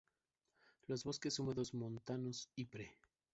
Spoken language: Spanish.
Los bosques húmedos montanos y pre.